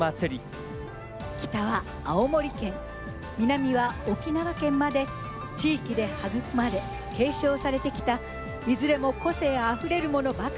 北は青森県南は沖縄県まで地域で育まれ継承されてきたいずれも個性あふれるものばかりでした。